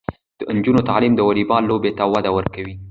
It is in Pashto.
د نجونو تعلیم د والیبال لوبې ته وده ورکوي.